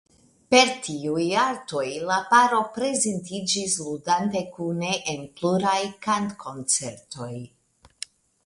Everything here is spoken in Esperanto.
Per tiuj artoj la paro prezentiĝis ludante kune en pluraj kantkoncertoj.